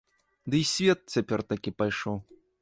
Ды і свет цяпер такі пайшоў.